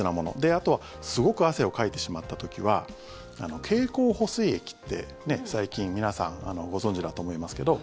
あとすごく汗をかいてしまった時は経口補水液って最近、皆さんご存じだと思いますけど。